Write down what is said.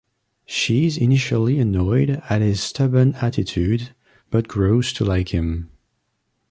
She is initially annoyed at his stubborn attitude, but grows to like him.